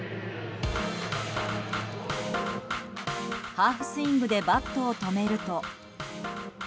ハーフスイングでバットを止めると。